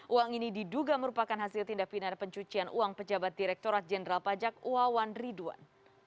uang ini diduga merupakan hasil tindak pinar pencucian uang pejabat direkturat jenderal pajak wawan ridwan